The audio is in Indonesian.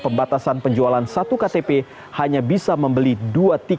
pembatasan penjualan tiket indonesia